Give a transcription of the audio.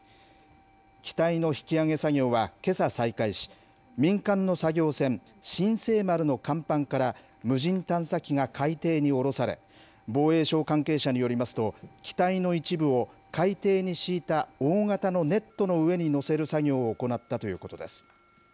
機体の引き揚げ作業はけさ再開し、民間の作業船、新世丸の甲板から無人探査機が海底に下ろされ、防衛省関係者によりますと、機体の一部を海底に敷いた大型のネットの上に載せる作業を行ったということです。